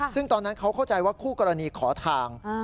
ซึ่งตอนนั้นเขาเข้าใจว่าคู่กรณีขอทาง